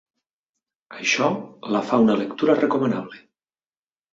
Això la fa una lectura recomanable.